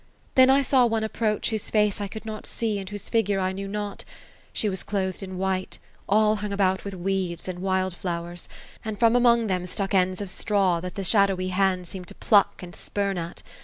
Then I saw one approach, whose face I could not see^ and whose figure I knew not She was clothed in white, all hung about with weeds and wild flowers ; and from among them stuck ends of straw, that the sha dowy hands seemed to pluck and spurn at.